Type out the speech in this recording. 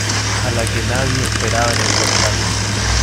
a la que nadie esperaba en el portal.